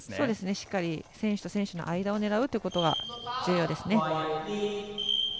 しっかり選手と選手の間を狙うことが重要ですね。